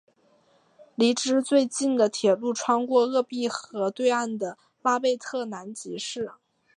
离之最近的铁路穿过鄂毕河对岸的拉贝特南吉市。